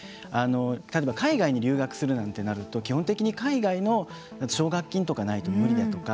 例えば海外に留学するなんてなると基本的に海外の奨学金とかがないと無理だとか